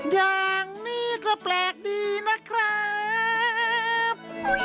อย่างนี้ก็แปลกดีนะครับ